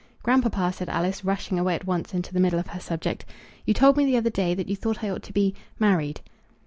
"Grandpapa," said Alice, rushing away at once into the middle of her subject, "you told me the other day that you thought I ought to be married."